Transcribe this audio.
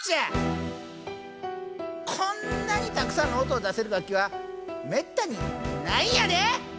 こんなにたくさんの音を出せる楽器はめったにないんやで！